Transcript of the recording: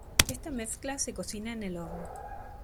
Esta mezcla se cocina en el horno.